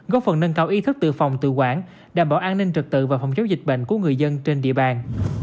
góp phần nâng cao ý thức tự phòng tự quản đảm bảo an ninh trực tự và phòng chống dịch bệnh của người dân trên địa bàn